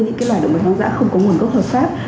những loài động vật hoang dã không có nguồn gốc hợp pháp